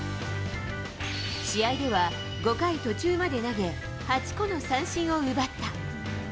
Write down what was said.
試合では、５回途中まで投げ、８個の三振を奪った。